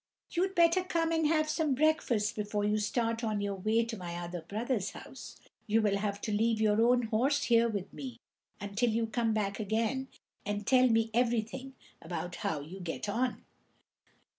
You'd better come and have some breakfast before you start on your way to my other brother's house. You will have to leave your own horse here with me until you come back again, and tell me everything about how you get on."